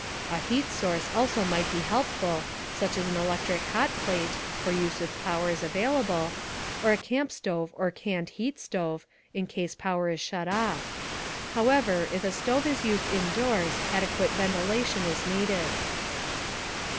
A heat source also might be helpful, such as an electric hot plate (for use if power is available), or a camp stove or canned heat stove (in case power is shut off). However, if a stove is used indoors, adequate ventilation is needed.